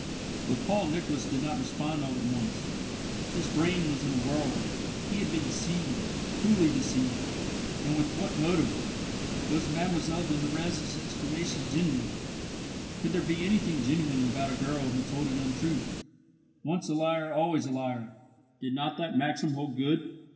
But Paul Nicholas did not respond all at once. His brain was in a whirl. He had been deceived, cruelly deceived! And with what motive? Was Mlle de Nurrez's explanation genuine? Could there be anything genuine about a girl who told an untruth? Once a liar always a liar! Did not that maxim hold good?